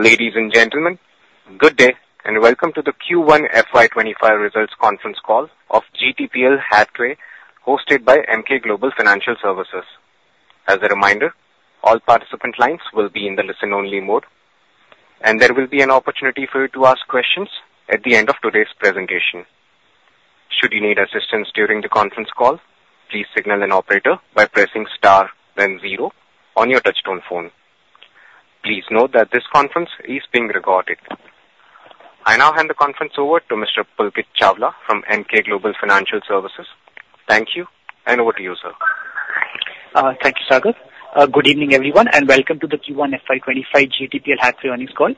Ladies and gentlemen, good day, and welcome to the Q1 FY 2025 results conference call of GTPL Hathway, hosted by Emkay Global Financial Services. As a reminder, all participant lines will be in the listen-only mode, and there will be an opportunity for you to ask questions at the end of today's presentation. Should you need assistance during the conference call, please signal an operator by pressing star, then zero on your touchtone phone. Please note that this conference is being recorded. I now hand the conference over to Mr. Pulkit Chawla from Emkay Global Financial Services. Thank you, and over to you, sir. Thank you, Sagar. Good evening, everyone, and welcome to the Q1 FY 2025 GTPL Hathway earnings call.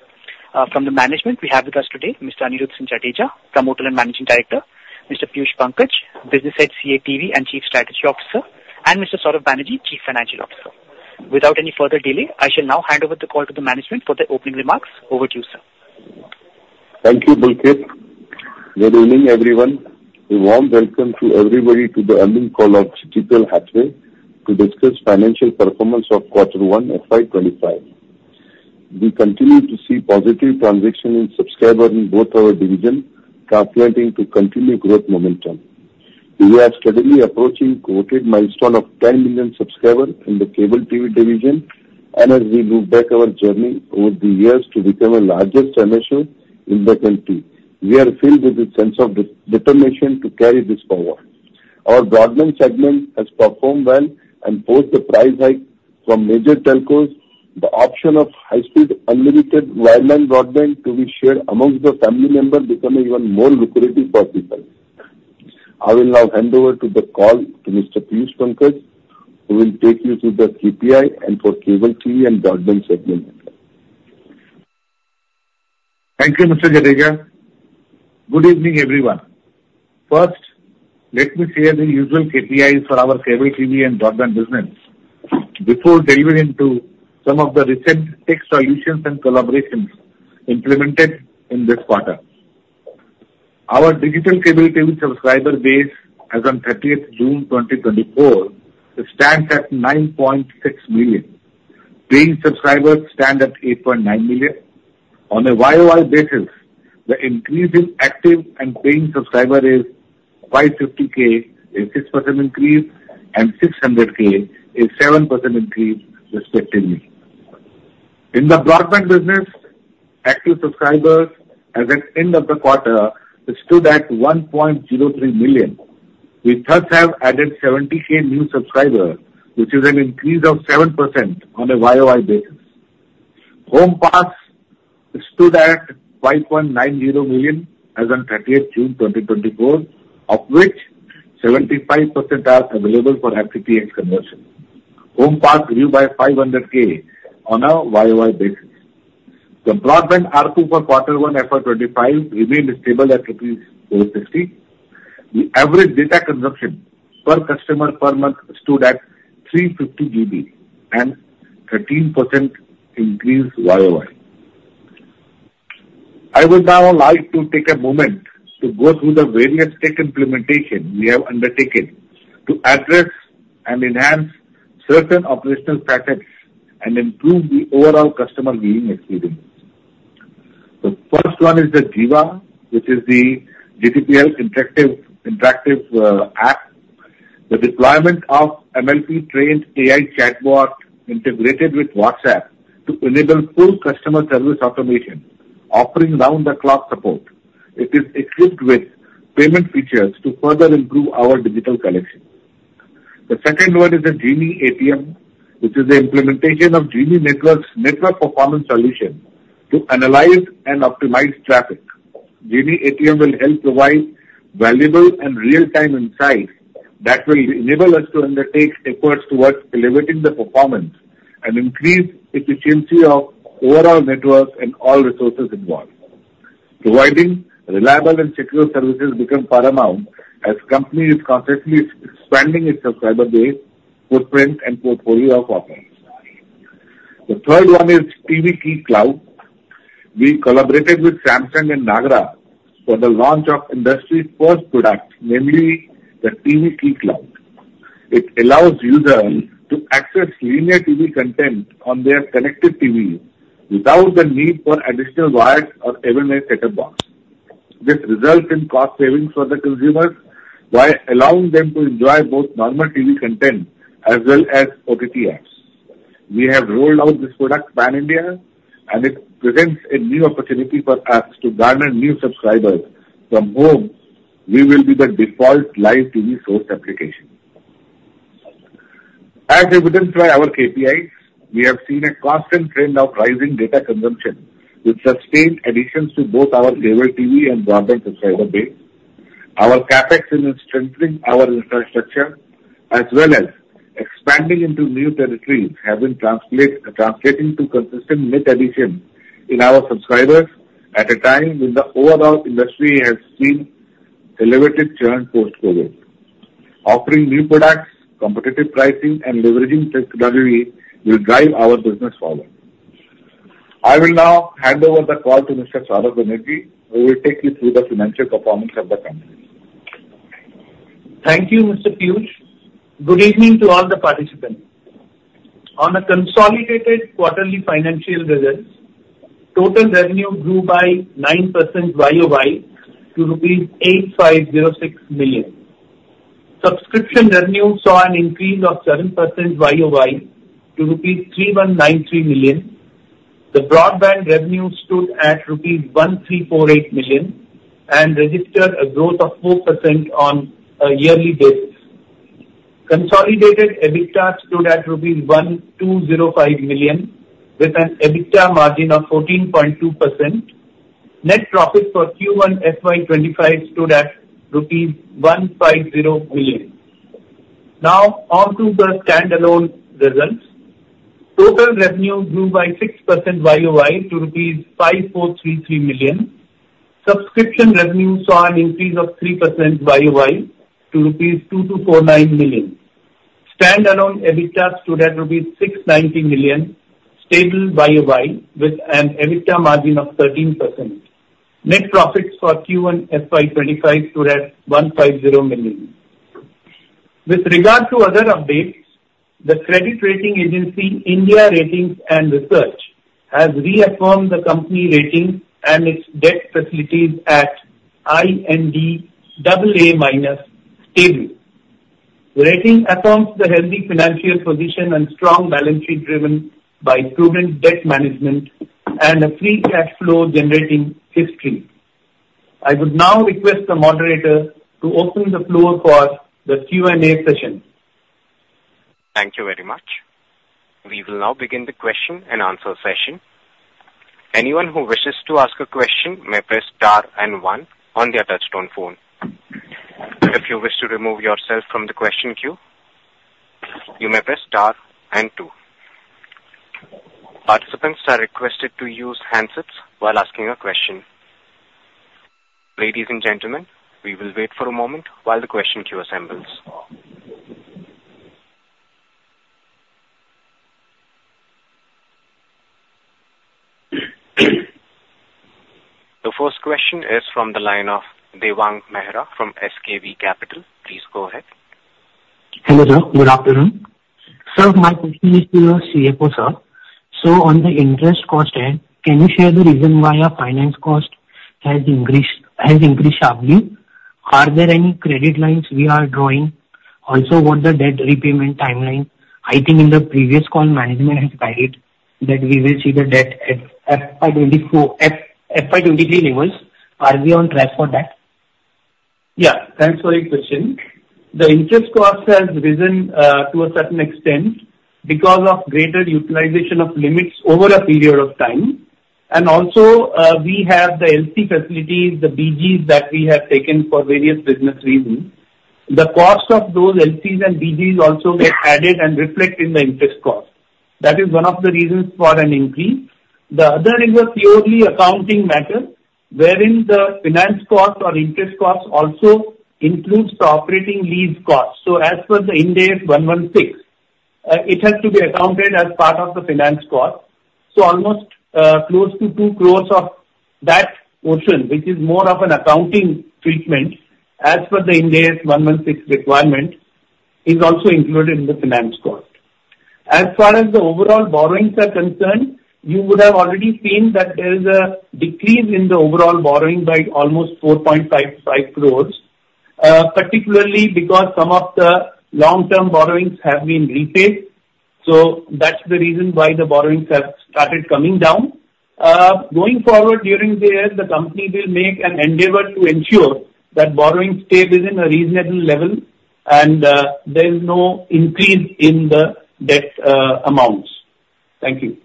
From the management, we have with us today Mr. Anirudhsinh Jadeja, promoter and Managing Director, Mr. Piyush Pankaj, business head of CATV and Chief Strategy Officer, and Mr. Saurav Banerjee, Chief Financial Officer. Without any further delay, I shall now hand over the call to the management for the opening remarks. Over to you, sir. Thank you, Pulkit. Good evening, everyone. A warm welcome to everybody to the earnings call of GTPL Hathway to discuss financial performance of quarter one FY 2025. We continue to see positive transition in subscriber in both our division, translating to continued growth momentum. We are steadily approaching quoted milestone of 10 million subscriber in the cable TV division, and as we look back our journey over the years to become a larger player in the country, we are filled with a sense of determination to carry this forward. Our broadband segment has performed well and post the price hike from major telcos. The option of high-speed, unlimited wireline broadband to be shared amongst the family member become even more lucrative for people. I will now hand over to the call to Mr. Piyush Pankaj, who will take you through the KPI and for cable TV and broadband segment. Thank you, Mr. Jadeja. Good evening, everyone. First, let me share the usual KPIs for our cable TV and broadband business before delivering to some of the recent tech solutions and collaborations implemented in this quarter. Our digital cable TV subscriber base, as on 30th June 2024, stands at 9.6 million. Paying subscribers stand at 8.9 million. On a YOY basis, the increase in active and paying subscriber is 550K, a 6% increase, and 600K, a 7% increase respectively. In the broadband business, active subscribers as at end of the quarter stood at 1.03 million. We thus have added 70K new subscribers, which is an increase of 7% on a YOY basis. HomePass stood at 5.90 million as on thirtieth June 2024, of which 75% are available for FTTH conversion. HomePass grew by 500K on a year-over-year basis. The broadband ARPU for quarter one FY 2025 remained stable at rupees 450. The average data consumption per customer per month stood at 350 GB and 13% increase year-over-year. I would now like to take a moment to go through the various tech implementation we have undertaken to address and enhance certain operational patterns and improve the overall customer viewing experience. The first one is the GIVA, which is the GTPL interactive app. The deployment of NLP-trained AI chatbot integrated with WhatsApp to enable full customer service automation, offering round-the-clock support. It is equipped with payment features to further improve our digital collection. The second one is the GenieATM, which is the implementation of Genie Networks network performance solution to analyze and optimize traffic. GenieATM will help provide valuable and real-time insights that will enable us to undertake efforts towards elevating the performance and increase efficiency of overall network and all resources involved. Providing reliable and secure services become paramount as company is constantly expanding its subscriber base, footprint, and portfolio of offerings. The third one is TVkey Cloud. We collaborated with Samsung and NAGRA for the launch of industry's first product, namely the TVkey Cloud. It allows users to access linear TV content on their connected TV without the need for additional wires or even a set-top box. This results in cost savings for the consumers by allowing them to enjoy both normal TV content as well as OTT apps. We have rolled out this product pan-India, and it presents a new opportunity for us to garner new subscribers from home. We will be the default live TV source application. As evidenced by our KPIs, we have seen a constant trend of rising data consumption with sustained additions to both our cable TV and broadband subscriber base. Our CapEx in strengthening our infrastructure, as well as expanding into new territories, have been translating to consistent net addition in our subscribers at a time when the overall industry has seen elevated churn post-COVID. Offering new products, competitive pricing, and leveraging technology will drive our business forward. I will now hand over the call to Mr. Saurav Banerjee, who will take you through the financial performance of the company. Thank you, Mr. Piyush. Good evening to all the participants. On a consolidated quarterly financial results, total revenue grew by 9% YOY to rupees 8,506 million. Subscription revenue saw an increase of 7% YOY to rupees 3,193 million. The broadband revenue stood at rupees 1,348 million, and registered a growth of 4% on a yearly basis. Consolidated EBITDA stood at rupees 1,205 million, with an EBITDA margin of 14.2%. Net profit for Q1 FY 2025 stood at rupees 150 million. Now, on to the standalone results. Total revenue grew by 6% YOY to rupees 5,433 million. Subscription revenue saw an increase of 3% YOY to rupees 2,249 million. Standalone EBITDA stood at rupees 690 million, stable YOY, with an EBITDA margin of 13%. Net profits for Q1 FY 2025 stood at 150 million. With regard to other updates, the credit rating agency, India Ratings and Research, has reaffirmed the company rating and its debt facilities at IND AA- Stable. The rating affirms the healthy financial position and strong balance sheet, driven by prudent debt management and a free cash flow-generating history. I would now request the moderator to open the floor for the Q&A session. Thank you very much. We will now begin the question and answer session. Anyone who wishes to ask a question may press star and one on their touchtone phone. If you wish to remove yourself from the question queue, you may press star and two. Participants are requested to use handsets while asking a question. Ladies and gentlemen, we will wait for a moment while the question queue assembles. The first question is from the line of Devang Mehra from SKV Capital. Please go ahead. Hello, sir. Good afternoon. Sir, my question is to your CFO, sir. So on the interest cost end, can you share the reason why our finance cost has increased, has increased sharply? Are there any credit lines we are drawing? Also, what the debt repayment timeline? I think in the previous call, management has guided that we will see the debt at FY 2024. FY 2023 levels. Are we on track for that? Yeah, thanks for your question. The interest cost has risen to a certain extent because of greater utilization of limits over a period of time. And also, we have the LC facilities, the BGs that we have taken for various business reasons. The cost of those LCs and BGs also get added and reflect in the interest cost. That is one of the reasons for an increase. The other is a purely accounting matter, wherein the finance cost or interest cost also includes the operating lease cost. So as per the Ind AS 116, it has to be accounted as part of the finance cost. So almost, close to 2 crore of that portion, which is more of an accounting treatment, as per the Ind AS 116 requirement, is also included in the finance cost. As far as the overall borrowings are concerned, you would have already seen that there is a decrease in the overall borrowing by almost 4.55 crore, particularly because some of the long-term borrowings have been repaid. So that's the reason why the borrowings have started coming down. Going forward during the year, the company will make an endeavor to ensure that borrowing state is in a reasonable level and, there is no increase in the debt, amounts. Thank you.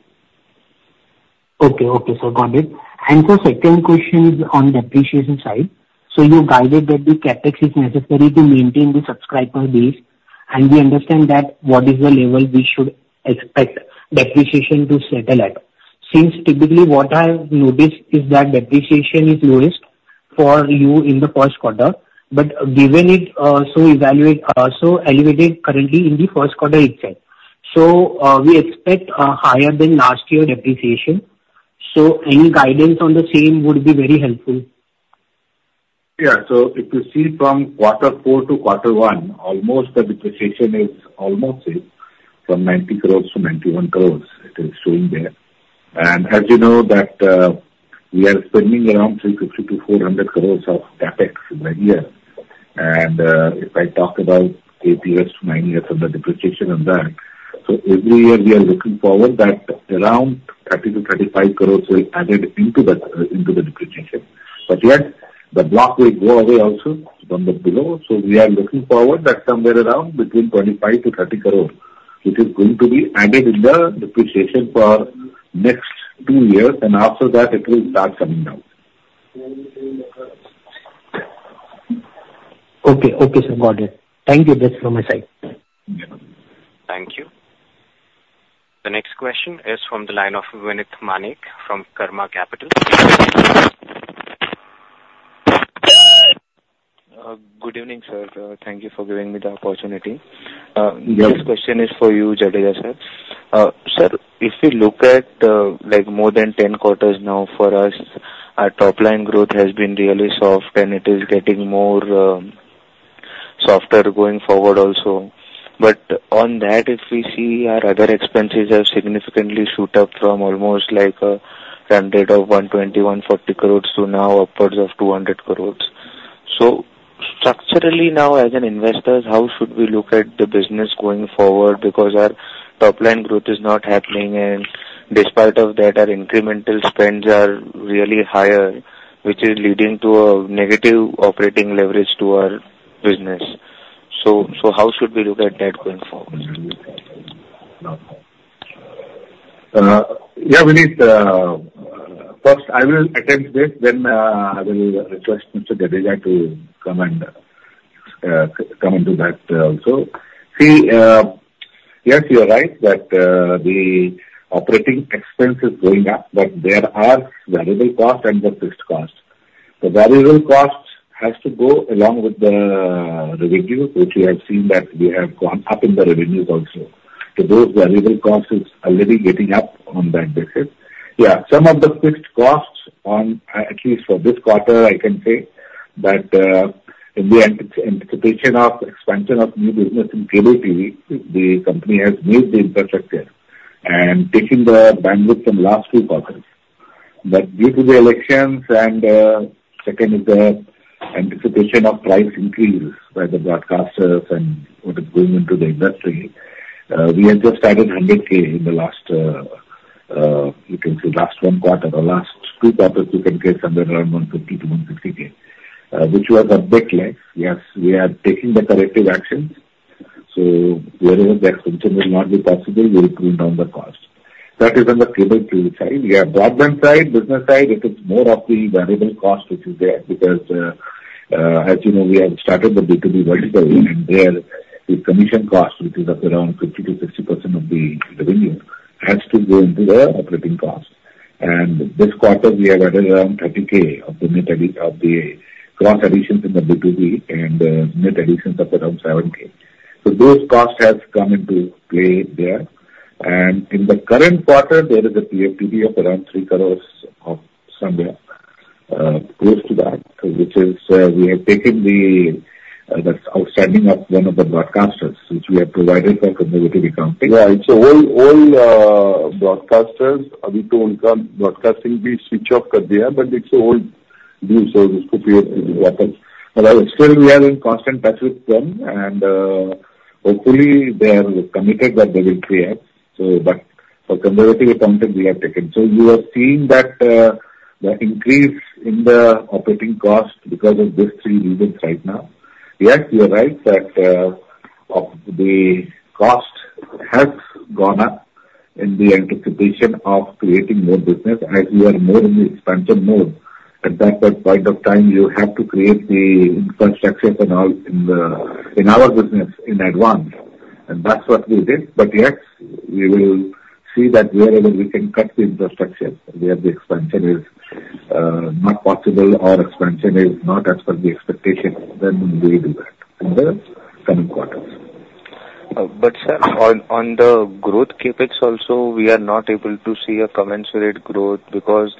Okay. Okay, sir, got it. And the second question is on depreciation side. So you guided that the CapEx is necessary to maintain the subscriber base, and we understand that what is the level we should expect depreciation to settle at? Since typically what I have noticed is that depreciation is lowest for you in the first quarter, but given it so elevated currently in the first quarter itself. So we expect higher than last year depreciation. So any guidance on the same would be very helpful. Yeah. So if you see from quarter four to quarter one, almost the depreciation is almost it, from 90 crore to 91 crore, it is showing there. And as you know, that, we are spending around 350 crore-400 crore of CapEx in a year. And, if I talk about 8 years to 9 years of the depreciation on that, so every year we are looking forward that around 30 crore-35 crore will added into the, into the depreciation. But yet, the block will go away also from the below, so we are looking forward that somewhere around between 25 crore-30 crore, which is going to be added in the depreciation for next two years, and after that it will start coming down. Okay. Okay, sir, got it. Thank you. That's from my side. Thank you. The next question is from the line of Vinit Manek from Karma Capital. Good evening, sir. Thank you for giving me the opportunity. Yeah. This question is for you, Jadeja sir. Sir, if you look at, like, more than 10 quarters now for us, our top line growth has been really soft, and it is getting more softer going forward also. But on that, if we see our other expenses have significantly shoot up from almost like a run rate of INR 120-150 crore to now upwards of INR 200 crore. So structurally now, as investors, how should we look at the business going forward? Because our top line growth is not happening, and despite of that, our incremental spends are really higher, which is leading to a negative operating leverage to our business. So how should we look at that going forward? Yeah, Vinit, first I will attend this, then I will request Mr. Jadeja to come and come into that also. See, yes, you are right, that the operating expense is going up, but there are variable costs and the fixed costs. The variable costs has to go along with the revenue, which we have seen that we have gone up in the revenue also. So those variable costs is already getting up on that basis. Yeah, some of the fixed costs on, at least for this quarter, I can say, that in the anticipation of expansion of new business in cable TV, the company has made the infrastructure and taking the bandwidth from last few quarters. But due to the elections and, second is the anticipation of price increase by the broadcasters and what is going into the industry, we have just added 100K in the last, you can say last one quarter or last two quarters, you can get somewhere around 150 to 160K, which was a bit less. Yes, we are taking the corrective actions, so wherever that function will not be possible, we will bring down the cost. That is on the cable TV side. We have broadband side, business side, it is more of the variable cost which is there, because, as you know, we have started the B2B vertical, and there the commission cost, which is of around 50%-60% of the revenue, has to go into the operating cost. This quarter we have added around 30K of the net of the gross additions in the B2B, and net additions of around 7K. So those costs have come into play there. And in the current quarter there is a PFDD of around 3 crore somewhere close to that, which is we have taken the the outstanding of one of the broadcasters, which we have provided for conservative accounting. Yeah, it's all all broadcasters broadcasting switch off, but it's all in use. So still we are in constant touch with them, and hopefully they are committed that they will clear. So but for conservative accounting, we have taken. So you are seeing that that increase in the operating cost because of these three reasons right now. Yes, you are right, that, of the cost has gone up in the anticipation of creating more business as we are more in the expansion mode. At that point of time, you have to create the infrastructure and all in, in our business in advance, and that's what we did. But yes, we will see that wherever we can cut the infrastructure, where the expansion is, not possible or expansion is not as per the expectation, then we will do that in the coming quarters. But, sir, on the growth CapEx also, we are not able to see a commensurate growth because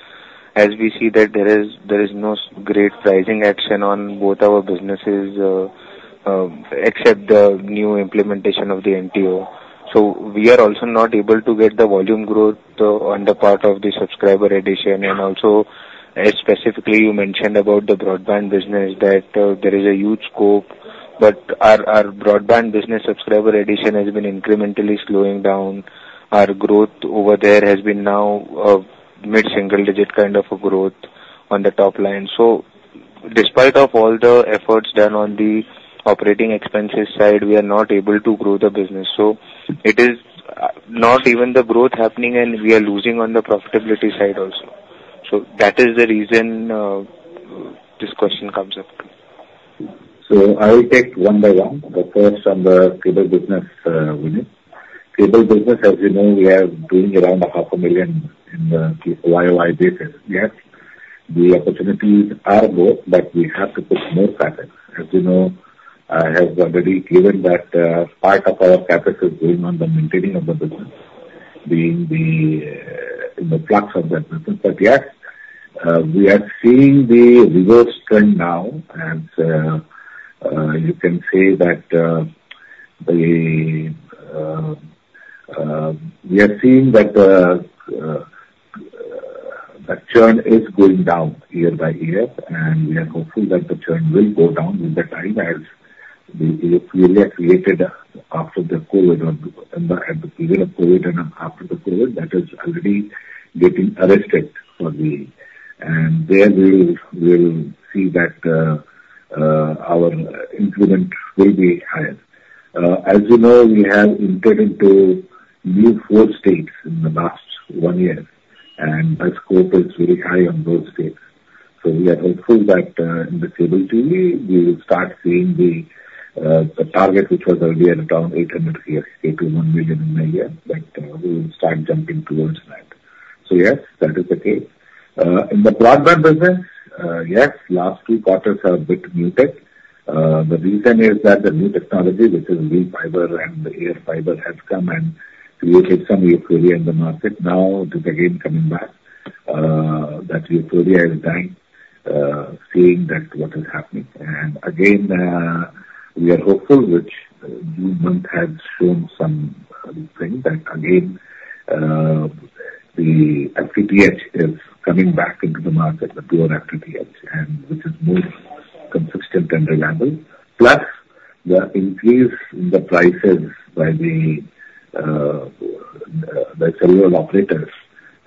as we see that there is no great pricing action on both our businesses, except the new implementation of the NTO. So we are also not able to get the volume growth on the part of the subscriber addition. And also, as specifically you mentioned about the broadband business, that there is a huge scope, but our broadband business subscriber addition has been incrementally slowing down. Our growth over there has been now mid-single digit kind of a growth on the top line. So despite of all the efforts done on the operating expenses side, we are not able to grow the business. So it is not even the growth happening, and we are losing on the profitability side also. So that is the reason, this question comes up. So I will take one by one, but first on the cable business unit. Cable business, as you know, we are doing around 500,000 on a year-over-year basis. Yes, the opportunities are both, but we have to put more CapEx. As you know, I have already given that part of our CapEx is going on the maintaining of the business, being the influx of that business. But yes, we are seeing the reverse trend now, and you can say that the churn is going down year by year, and we are hopeful that the churn will go down with the time as the created after the COVID or at the beginning of COVID and after the COVID, that is already getting arrested for the... And there we will see that our increment will be higher. As you know, we have entered into new four states in the last one year, and the scope is very high on those states. We are hopeful that in the cable TV, we will start seeing the target, which was earlier around 800 AX, 8 to 1 million in a year, but we will start jumping towards that. Yes, that is the case. In the broadband business, yes, last two quarters are a bit muted. The reason is that the new technology, which is V-Fiber and the AirFiber, has come and created some euphoria in the market. Now, it is again coming back, that euphoria is dying, seeing that what is happening. Again, we are hopeful, which you must have seen something that again, the FTTH is coming back into the market, the pure FTTH, and which is more consistent and reliable. Plus, the increase in the prices by the cellular operators,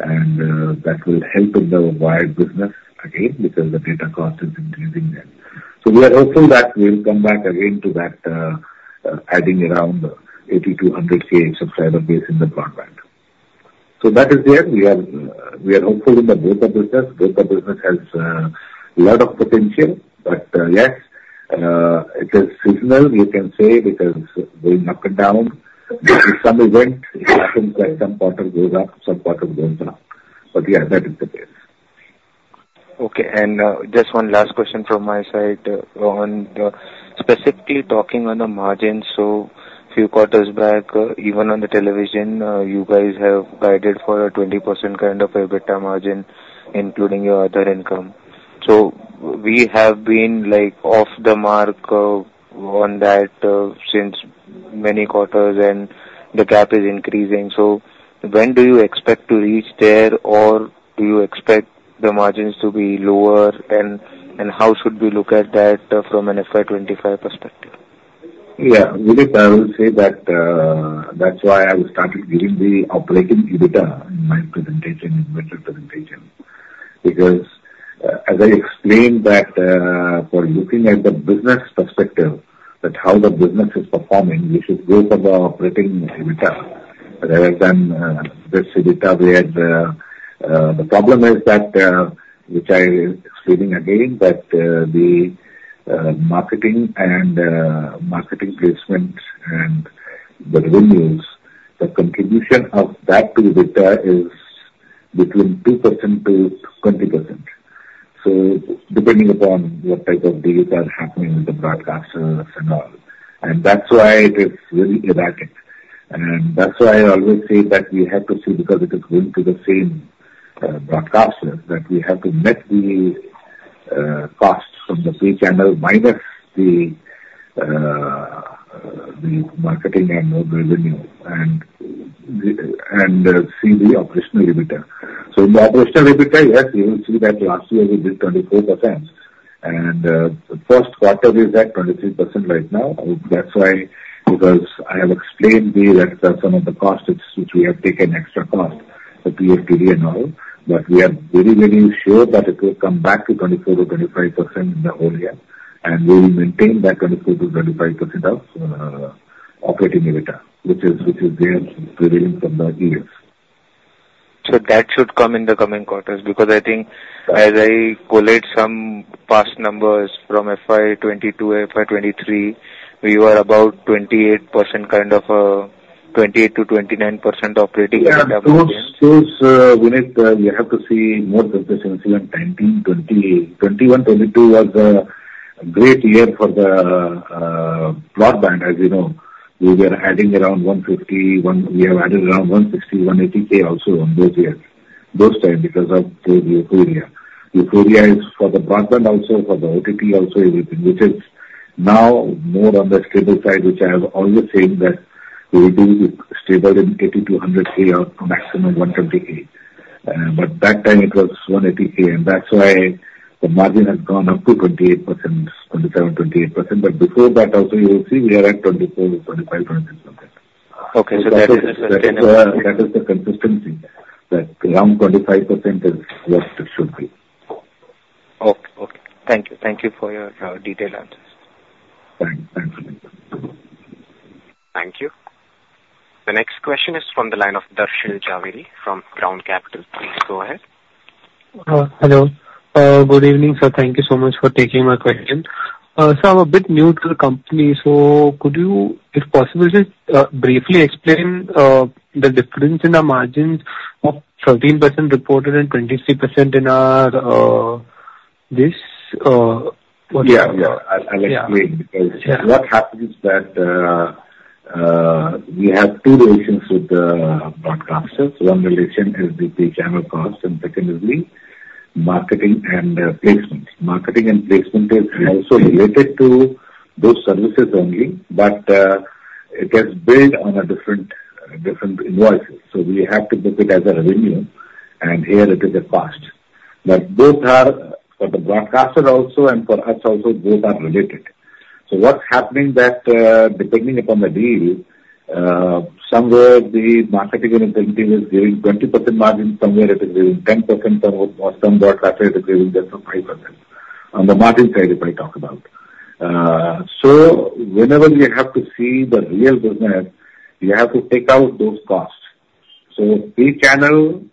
and that will help in the wide business again, because the data cost is increasing there. So we are hopeful that we'll come back again to that, adding around 80 to 100K subscriber base in the broadband. So that is there. We are hopeful in the data business. Data business has a lot of potential, but yes, it is seasonal, you can say, because going up and down, some event happens, like some quarter goes up, some quarter goes down, but yeah, that is the case. Okay, and, just one last question from my side, on, specifically talking on the margin. So few quarters back, even on the television, you guys have guided for a 20% kind of EBITDA margin, including your other income. So we have been, like, off the mark, on that, since many quarters, and the gap is increasing. So when do you expect to reach there, or do you expect the margins to be lower, and, and how should we look at that from an FY 2025 perspective? Yeah, Vinit, I will say that, that's why I started giving the operating EBITDA in my presentation, in virtual presentation. Because, as I explained that, for looking at the business perspective, that how the business is performing, we should go for the operating EBITDA, rather than, this EBITDA, where the, the problem is that, which I explaining again, that, the, marketing and, marketing placement and the revenues, the contribution of that to EBITDA is between 2%-20%. So depending upon what type of deals are happening with the broadcasters and all. And that's why it is very erratic. That's why I always say that we have to see, because it is going to the same broadcasters, that we have to meet the costs from the free channel, minus the marketing and more revenue, and see the operational EBITDA. So the operational EBITDA, yes, you will see that last year we did 24%. And the first quarter is at 23% right now. That's why, because I have explained that some of the costs which we have taken extra cost, the PFDD and all. But we are very, very sure that it will come back to 24%-25% in the whole year, and we will maintain that 24%-25% of operating EBITDA, which is there during the years. That should come in the coming quarters, because I think as I collate some past numbers from FY 2022 to FY 2023, we were about 28%, kind of, 28%-29% operating EBITDA. Yeah. Those, Vinit, you have to see more than this, since even 2019, 2020... 2021, 2022 was a great year for the broadband. As you know, we were adding around 150, we have added around 160, 180K also on those years, those time, because of the euphoria. Euphoria is for the broadband also, for the OTT also, everything, which is now more on the stable side, which I have always said that we will be stable in 80 to 100K or maximum 120K. But that time it was 180K, and that's why the margin has gone up to 28%, 27%-28%. But before that also, you will see we are at 24%-25% of that. Okay, so that is- That is, that is the consistency, that around 25% is what it should be. Okay, okay. Thank you. Thank you for your detailed answers. Thanks. Thanks, Vinit. Thank you. The next question is from the line of Darshil Jhaveri from Crown Capital. Please go ahead. Hello. Good evening, sir. Thank you so much for taking my question. So I'm a bit new to the company, so could you, if possible, just briefly explain the difference in the margins of 13% reported and 23% in this. Yeah, yeah. Yeah. I'll explain. Yeah. Because what happens is that, we have two relations with the broadcasters. One relation is the channel cost, and secondly, marketing and placement. Marketing and placement is also related to those services only, but, it is built on a different invoices. So we have to book it as a revenue, and here it is a cost. But both are... For the broadcaster also and for us also, both are related. So what's happening that, depending upon the deal, somewhere the marketing and sales team is giving 20% margin, somewhere it is giving 10%, some broadcaster is giving just a 5%, on the margin side, if I talk about. So whenever we have to see the real business, you have to take out those costs. So free channel,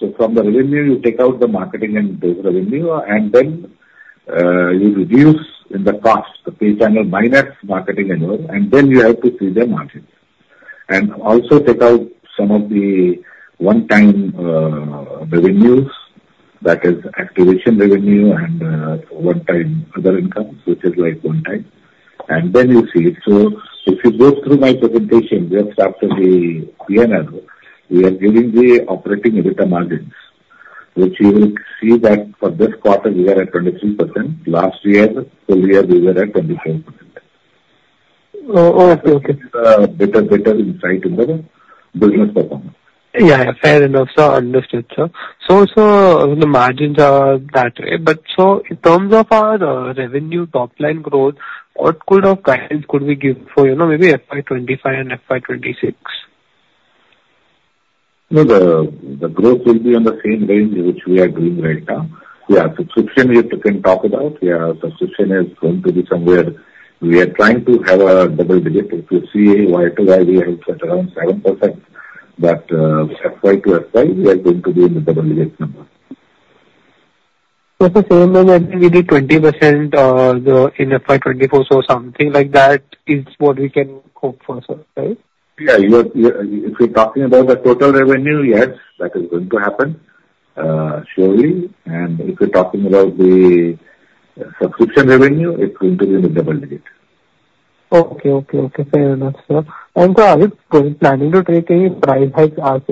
so from the revenue, you take out the marketing and the revenue, and then you reduce the cost, the free channel minus marketing and all, and then you have to see the margin. And also take out some of the one-time revenues, that is activation revenue and one-time other income, which is like one time, and then you see it. So if you go through my presentation, just after the PNL, we are giving the operating EBITDA margins, which you will see that for this quarter we are at 23%. Last year, full year we were at 25%. Oh, okay, okay. Better, better insight in the business performance. Yeah, fair enough, sir. Understood, sir. So the margins are that way, but so in terms of our revenue top line growth, what kind of guidance could we give for, you know, maybe FY 2025 and FY 2026? No, the growth will be on the same range which we are doing right now. We have subscription, we can talk about. Yeah, subscription is going to be somewhere. We are trying to have a double-digit. If you see Y to Y, we have set around 7%, but FY to FY, we are going to be in the double-digit number. So the same number, maybe 20%, in FY 2024, so something like that is what we can hope for, sir, right? Yeah. If you're talking about the total revenue, yes, that is going to happen, surely. And if you're talking about the subscription revenue, it's going to be in the double digits. Okay. Okay. Okay. Fair enough, sir. And so are we planning to take any price hike as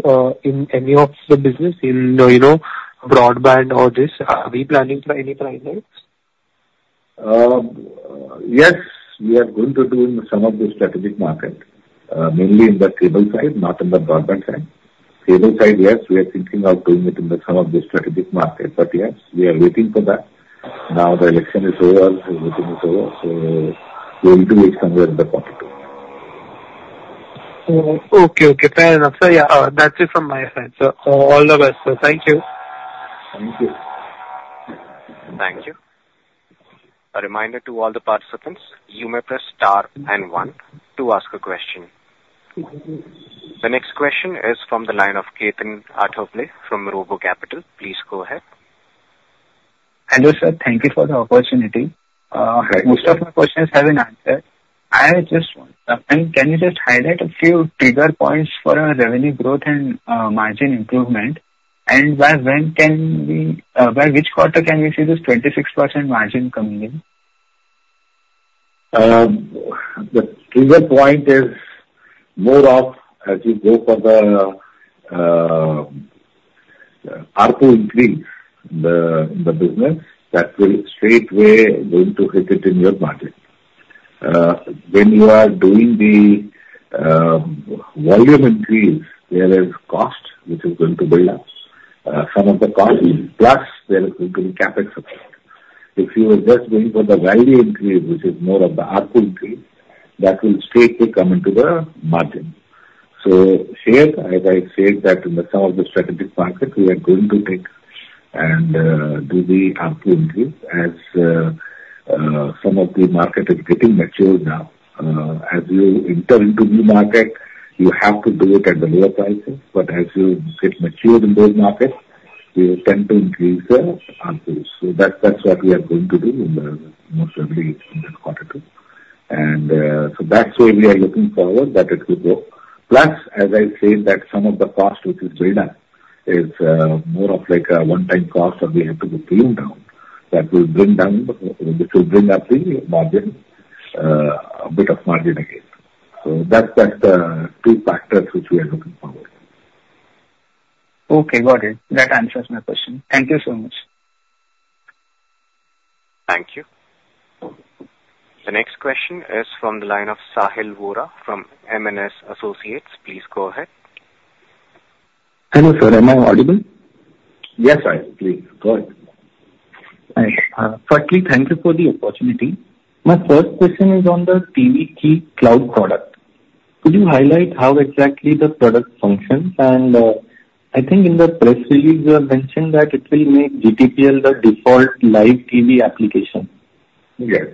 in any of the business in, you know, broadband or this? Are we planning for any price hikes? Yes, we are going to do in some of the strategic market, mainly in the cable side, not in the broadband side. Cable side, yes, we are thinking of doing it in the some of the strategic market, but yes, we are waiting for that. Now, the election is over, everything is over, so we're going to wait somewhere in the quarter two. Oh, okay. Okay. Fair enough, sir. Yeah, that's it from my side, so, all the best, sir. Thank you. Thank you. Thank you. A reminder to all the participants, you may press star and one to ask a question. The next question is from the line of Ketan Athavale from Robo Capital. Please go ahead. Hello, sir. Thank you for the opportunity. Hi. Most of my questions have been answered. I just want, can you just highlight a few trigger points for our revenue growth and, margin improvement? By when can we, by which quarter can we see this 26% margin coming in? The trigger point is more of as you go for the ARPU increase the business, that will straightway going to hit it in your margin. When you are doing the volume increase, there is cost which is going to build up. Some of the cost, plus there is going to be CapEx effect. If you are just going for the value increase, which is more of the ARPU increase, that will straightaway come into the margin. So here, as I said, that in some of the strategic markets, we are going to take and do the ARPU increase as some of the market is getting mature now. As you enter into new market, you have to do it at the lower prices, but as you get mature in those markets, you tend to increase the ARPU. So that's what we are going to do, most likely in the quarter two. So that's why we are looking forward, that it will grow. Plus, as I said, that some of the cost, which is build up, is more of like a one-time cost, and we have to go clean down. That will bring down the... Which will bring up the margin, a bit of margin again. So that's the two factors which we are looking forward. Okay, got it. That answers my question. Thank you so much. Thank you. The next question is from the line of Sahil Vora from MNS Associates. Please go ahead. Hello, sir. Am I audible? Yes, Sahil. Please, go ahead. Thanks. Firstly, thank you for the opportunity. My first question is on the TVkey Cloud product. Could you highlight how exactly the product functions? And, I think in the press release, you have mentioned that it will make GTPL the default live TV application. Yes.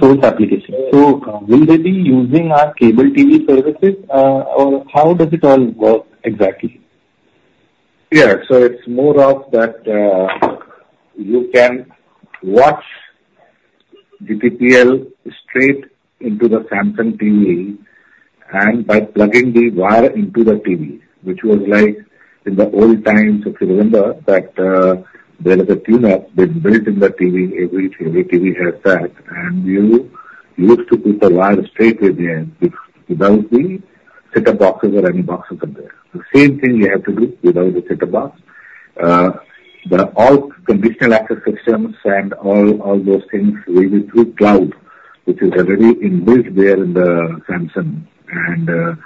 Source application. So will they be using our cable TV services? Or how does it all work exactly? Yeah. So it's more of that, you can watch GTPL straight into the Samsung TV and by plugging the wire into the TV, which was like in the old times, if you remember, that, there is a tuner that built in the TV. Every, every TV has that, and you used to put the wire straight away there, without the set-top boxes or any boxes are there. The same thing you have to do without the set-top box. The all conditional access systems and all, all those things will be through cloud, which is already inbuilt there in the Samsung. And,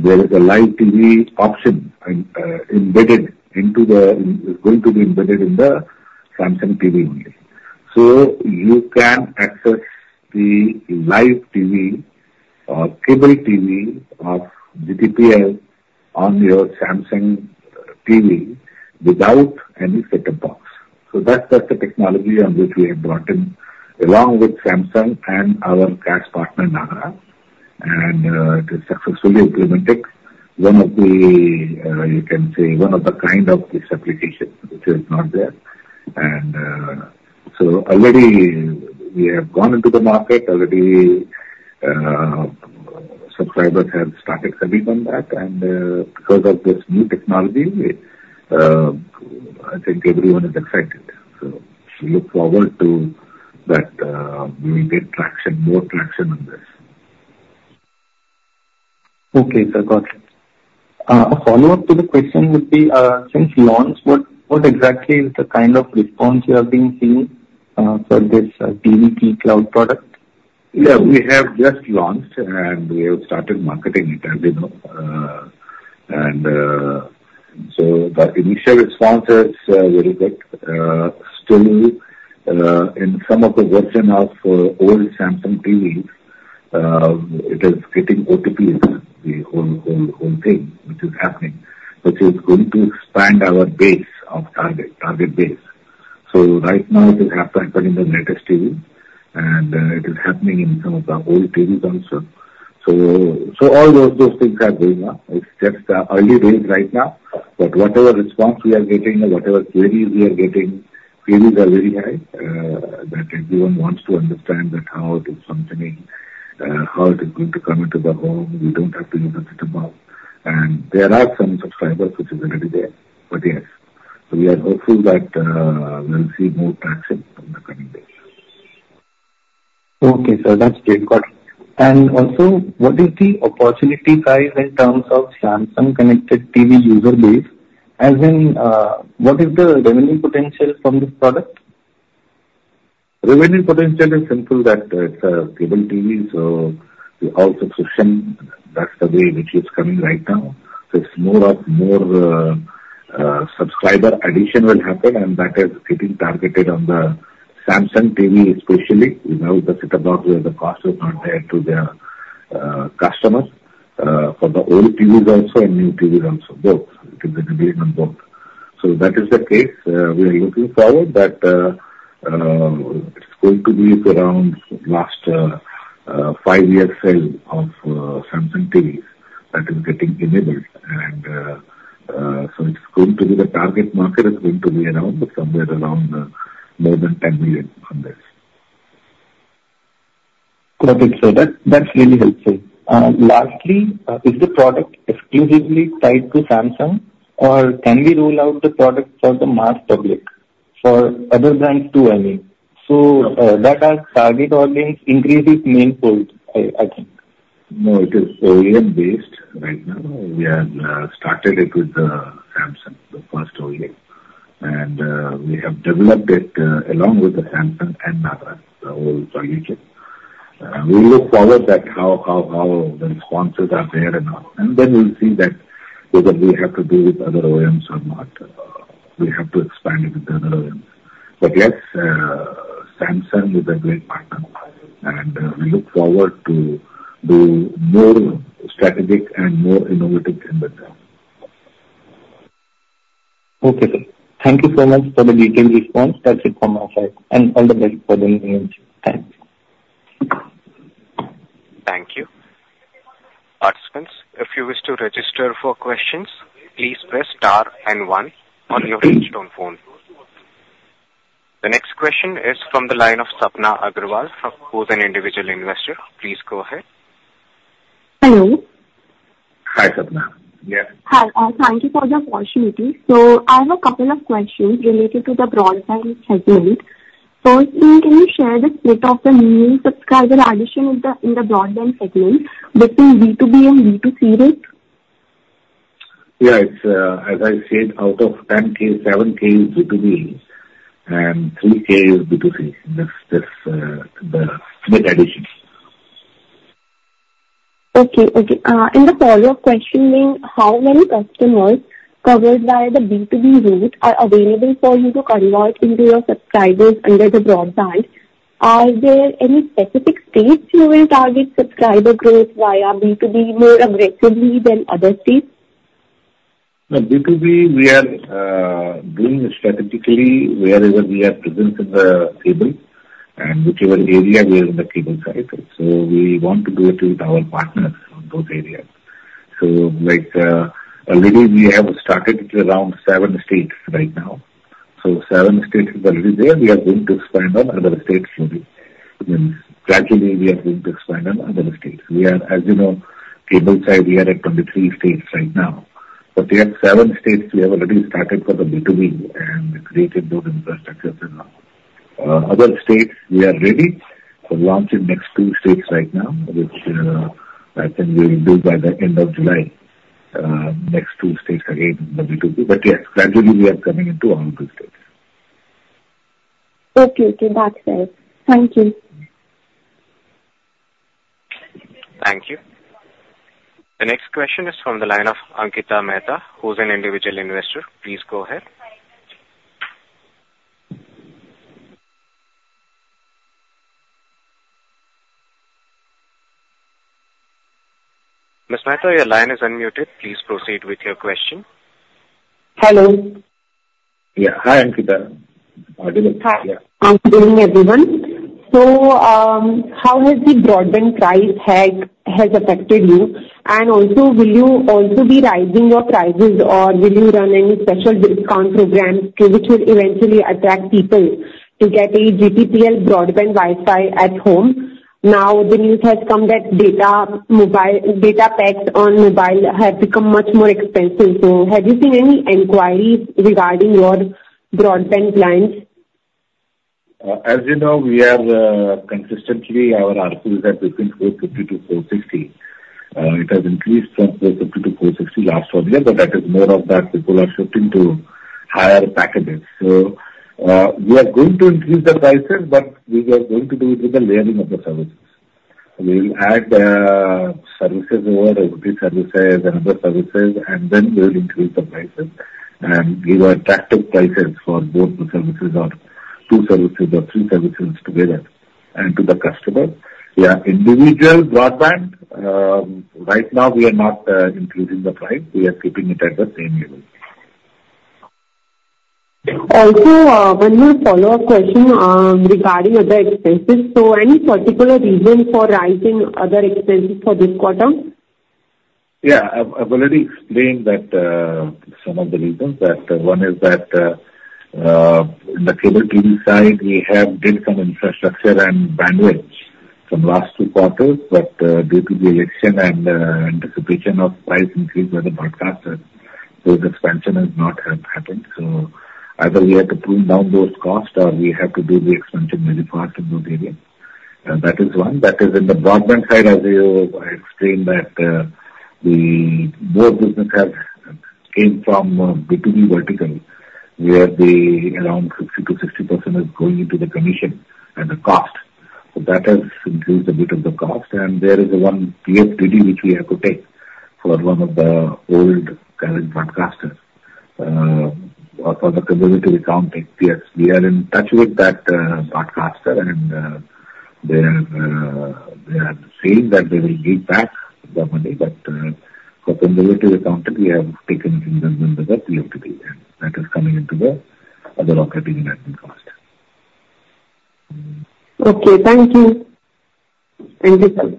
there is a live TV option embedded into the... Going to be embedded in the Samsung TV only. So you can access the live TV or cable TV of GTPL on your Samsung TV without any set-top box. So that's just the technology on which we have brought in, along with Samsung and our tech partner, NAGRA. And it is successfully implemented. One of the, you can say, one of the kind of this application, which is not there. And so already we have gone into the market, already subscribers have started selling on that, and because of this new technology, I think everyone is excited. So we look forward to that, we will get traction, more traction on this. Okay, sir. Got it. A follow-up to the question would be, since launch, what exactly is the kind of response you have been seeing for this TVkey Cloud product? Yeah, we have just launched, and we have started marketing it, as you know. And, so the initial response is very good. Still, in some of the version of old Samsung TVs, it is getting OTP, the whole thing, which is happening, which is going to expand our base of target base. So right now, it is happening in the latest TV, and it is happening in some of the old TVs also. So all those things are going on. It's just the early days right now, but whatever response we are getting or whatever queries we are getting, queries are very high, that everyone wants to understand that how it is functioning, how it is going to come into the home. We don't have to use the set-top box. There are some subscribers which is already there. Yes, we are hopeful that we'll see more traction from the coming days. Okay, sir. That's great. Got it. And also, what is the opportunity size in terms of Samsung connected TV user base? As in, what is the revenue potential from this product? Revenue potential is simple, that it's a cable TV, so all subscription, that's the way which is coming right now. So it's more of, more, subscriber addition will happen, and that is getting targeted on the Samsung TV especially, without the set-top box, where the cost is not there to their, customers, for the old TVs also and new TVs also, both. It will be delivered on both. So that is the case. We are looking forward, but, it's going to be around last 5 years sale of, Samsung TVs that is getting enabled. And, so it's going to be the target market is going to be around, somewhere around, more than 10 million on this. Got it, sir. That, that's really helpful. Lastly, is the product exclusively tied to Samsung, or can we roll out the product for the mass public, for other brands too, I mean? So, that has target audience increases manifold, I think. No, it is OEM based right now. We have started it with Samsung, the first OEM. And we have developed it along with the Samsung and NAGRA, the whole solution. We look forward at how the responses are there and all, and then we'll see that whether we have to do with other OEMs or not. We have to expand it with other OEMs. But yes, Samsung is a great partner, and we look forward to do more strategic and more innovative in the future. Okay, sir. Thank you so much for the detailed response. That's it from my side, and all the best for the meeting. Thanks. Thank you. Participants, if you wish to register for questions, please press star and one on your telephone. The next question is from the line of Sapna Agarwal, from... who's an individual investor. Please go ahead. Hello. Hi, Sapna. Yeah. Hi, thank you for the opportunity. I have a couple of questions related to the broadband segment. Firstly, can you share the split of the new subscriber addition in the broadband segment between B2B and B2C rates? Yeah, it's as I said, out of 10K, 7K is B2B and 3K is B2C. That's the split addition. Okay. Okay, and the follow-up question being: How many customers covered by the B2B route are available for you to convert into your subscribers under the broadband? Are there any specific states you will target subscriber growth via B2B more aggressively than other states? No, B2B, we are doing strategically wherever we are present in the cable and whichever area we are in the cable side. So we want to do it with our partners in both areas. So like, already we have started around 7 states right now. So 7 states is already there. We are going to expand on other states slowly. Then gradually, we are going to expand on other states. We are, as you know, cable side, we are at 23 states right now. But we have 7 states we have already started for the B2B and created those infrastructures and all. Other states, we are ready for launch in next 2 states right now, which, I think we will do by the end of July. Next 2 states again, will be B2B. But yes, gradually we are coming into all good states. Okay, okay, that's right. Thank you. Thank you. The next question is from the line of Ankita Mehta, who's an individual investor. Please go ahead. Ms. Mehta, your line is unmuted. Please proceed with your question. Hello. Yeah. Hi, Ankita. Hi. Good evening, everyone. So, how has the broadband price hike has affected you? And also, will you also be raising your prices, or will you run any special discount programs which will eventually attract people to get a GTPL broadband Wi-Fi at home? Now, the news has come that data packs on mobile have become much more expensive. So have you seen any inquiries regarding your broadband plans? As you know, we are consistently, our ARPU is between 450-460. It has increased from 450-460 last one year, but that is more of that people are shifting to higher packages. So, we are going to increase the prices, but we are going to do it with the layering of the services. We will add services over OTT services and other services, and then we will increase the prices, and give attractive prices for both the services or two services or three services together and to the customer. Yeah, individual broadband, right now we are not increasing the price. We are keeping it at the same level. Also, one more follow-up question, regarding other expenses. So any particular reason for rising other expenses for this quarter? Yeah, I've already explained that some of the reasons that in the cable TV side, we have built some infrastructure and bandwidth from last two quarters, but due to the election and anticipation of price increase by the broadcasters, those expansion has not had happened. So either we have to pull down those costs, or we have to do the expansion very fast in those areas. That is one. That is in the broadband side, as you, I explained that the more business has came from a B2B vertical, where the around 50%-60% is going into the commission and the cost. So that has increased a bit of the cost. And there is one PFDD which we have to take for one of the old current broadcasters for the cumulative account. Yes, we are in touch with that broadcaster, and they are saying that they will give back the money, but for cumulative accounting, we have taken it under the PFDD. That is coming into the other operating and admin cost. Okay, thank you. Thank you, sir.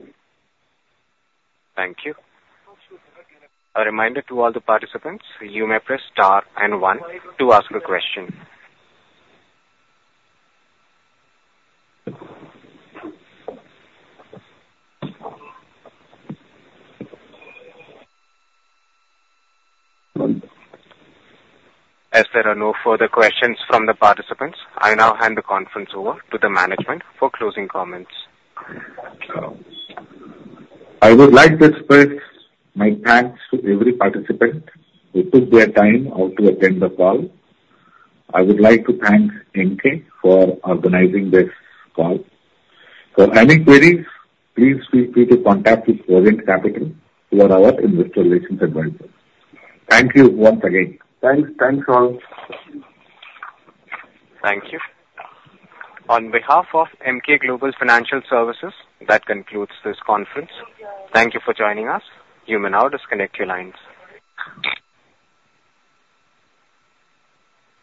Thank you. A reminder to all the participants, you may press star and one to ask a question. As there are no further questions from the participants, I now hand the conference over to the management for closing comments. I would like to express my thanks to every participant who took their time out to attend the call. I would like to thank Emkay for organizing this call. For any queries, please feel free to contact with Orient Capital, who are our investor relations advisors. Thank you once again. Thanks. Thanks, all. Thank you. On behalf of Emkay Global Financial Services, that concludes this conference. Thank you for joining us. You may now disconnect your lines.